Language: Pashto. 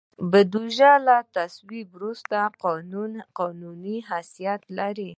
بودیجه له تصویب وروسته قانوني حیثیت لري.